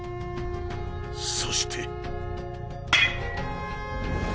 そして。